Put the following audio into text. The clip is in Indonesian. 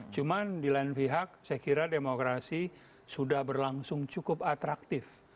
cuman di lain pihak saya kira demokrasi sudah berlangsung cukup atraktif